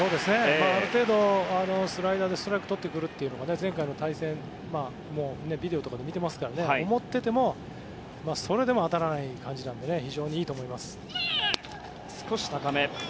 ある程度スライダーでストライクをとってくるのが前回の対戦をビデオとかで見てますから待っていてもそれでも当たらない感じなので非常にいいと思います。